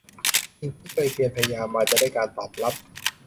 สิ่งที่เคยเพียรพยายามมาจะได้การตอบรับ